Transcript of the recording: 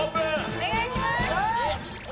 お願いします！